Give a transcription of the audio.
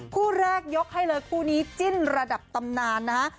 คู่แรกยกให้เลยคู่นี้จิ้นระดับตำนานนะฮะ